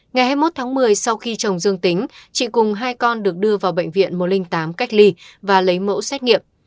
ngày hai mươi một tháng một mươi sau khi chồng dương tính chị cùng hai con được đưa vào bệnh viện một trăm linh tám cách ly và lấy mẫu xét nghiệm